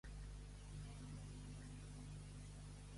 Va tenir descendència amb Apol·lo?